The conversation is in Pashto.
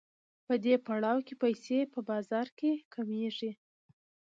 په دې پړاو کې پیسې په بازار کې کمېږي